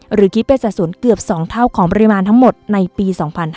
หรือคิดเป็นสะสมเกือบ๒เท่าของปริมาณทั้งหมดในปี๒๕๕๙